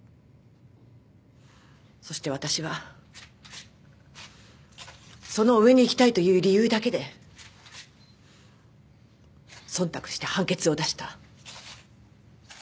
そして私はその上に行きたいという理由だけで忖度して判決を出した。